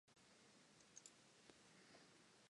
Elkin is served by the Elkin City Schools system.